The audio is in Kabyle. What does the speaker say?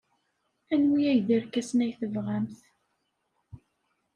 Anwi ay d irkasen ay tebɣamt?